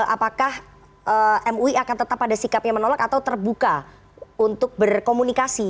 apakah mui akan tetap ada sikapnya menolak atau terbuka untuk berkomunikasi